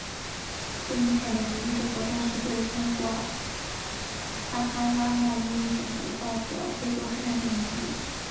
最明显的奴隶制活动是对通过跨撒哈拉贸易路线得到的非洲黑人的奴役。